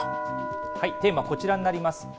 テーマ、こちらになります。